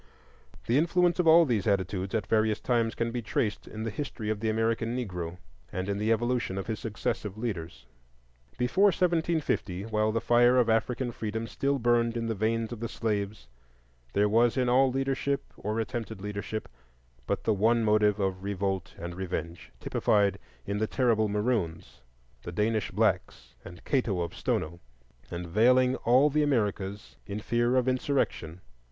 The influence of all of these attitudes at various times can be traced in the history of the American Negro, and in the evolution of his successive leaders. Before 1750, while the fire of African freedom still burned in the veins of the slaves, there was in all leadership or attempted leadership but the one motive of revolt and revenge,—typified in the terrible Maroons, the Danish blacks, and Cato of Stono, and veiling all the Americas in fear of insurrection.